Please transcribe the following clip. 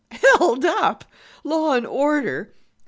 "Held up! Law and order!